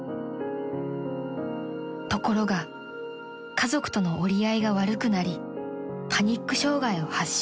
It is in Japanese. ［ところが家族との折り合いが悪くなりパニック障害を発症］